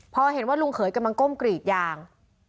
พอเห็นว่าลุงเขยกำลังก้มกรีดยาง